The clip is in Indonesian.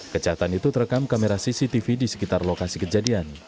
kejahatan itu terekam kamera cctv di sekitar lokasi kejadian